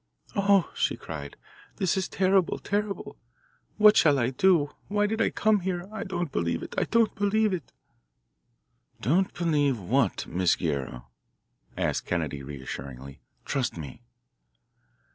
"Oh!" she cried, "this is terrible terrible! What shall I do? Why did I come here? I don't believe it. I don't believe it." "Don't believe what, Miss Guerrero?" asked Kennedy reassuringly. "Trust me."